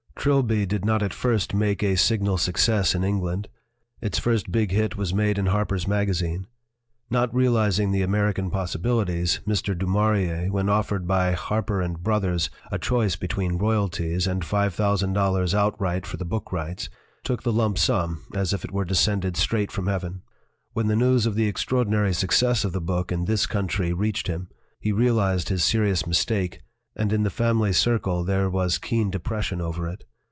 "Trilby did not at first make a signal success in England. Its first big hit was made in Harper's Magazine. Not realizing the American possibili ties, Mr. du Maurier, when offered by Harper & Brothers a choice between royalties and five thousand dollars outright for the book rights, took the lump sum as if it were descended straight from heaven. When the news of the extraordinary success of the book in this country reached him, he realized his serious mistake, and in the family circle there was keen depression over it.